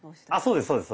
あそうです